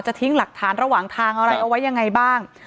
ทิ้งหลักฐานระหว่างทางอะไรเอาไว้ยังไงบ้าง